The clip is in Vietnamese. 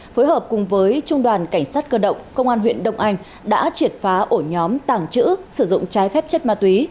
phối hợp cùng với trung đoàn cảnh sát cơ động công an huyện đông anh đã triệt phá ổ nhóm tàng trữ sử dụng trái phép chất ma túy